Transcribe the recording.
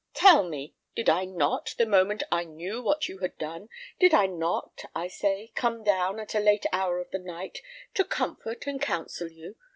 Tell me, did I not, the moment I knew what you had done, did I not, I say, come down, at a late hour of the night, to comfort and counsel you?